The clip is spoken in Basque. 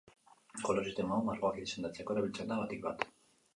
Kolore sistema hau margoak izendatzeko erabiltzen da batik-bat.